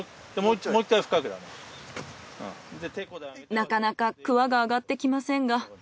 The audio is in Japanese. なかなかクワが上がってきませんが。